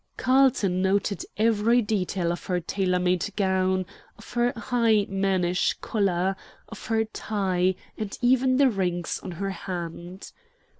Carlton noted every detail of her tailor made gown, of her high mannish collar, of her tie, and even the rings on her hand.